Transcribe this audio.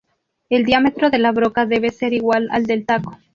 El diámetro de la broca debe ser igual al del taco.